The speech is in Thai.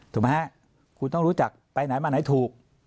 ถูกไหมฮะคุณต้องรู้จักไปไหนมาไหนถูก